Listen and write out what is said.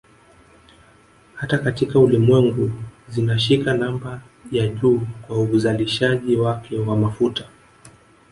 Hata katika Ulimwengu zinashika namba ya juu kwa uzalishaji wake wa mafuta